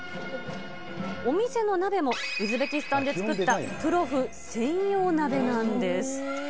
お店の鍋もウズベキスタンで作ったプロフ専用鍋なんです。